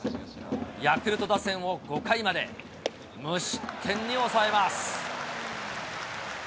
ヤクルト打線を５回まで、無失点に抑えます。